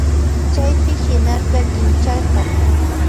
Chaypi shinarka kinchata.